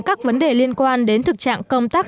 các vấn đề liên quan đến thực trạng công tác